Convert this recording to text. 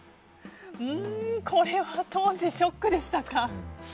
これは当時、ショックでしたか？